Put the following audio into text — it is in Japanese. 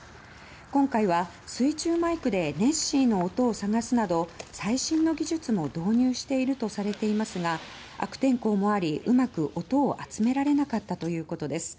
今回は水中マイクでネッシーの音を探すなど最新の技術も導入しているとされていますが悪天候もありうまく音を集められなかったということです。